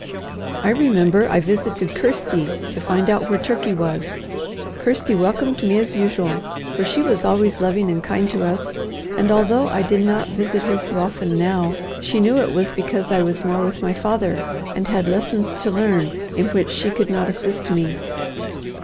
I remember I visited Kirsty, to find out where Turkey was. Kirsty welcomed me as usual, for she was always loving and kind to us; and although I did not visit her so often now, she knew it was because I was more with my father, and had lessons to learn in which she could not assist me.